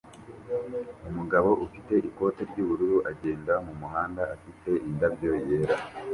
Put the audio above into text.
Umugabo ufite ikote ry'ubururu agenda mumuhanda afite indabyo yera